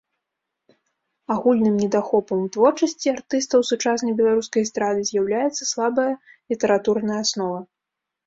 Агульным недахопам у творчасці артыстаў сучаснай беларускай эстрады з'яўляецца слабая літаратурная аснова.